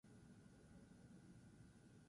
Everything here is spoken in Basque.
Horren adibide dira bere azken lanak.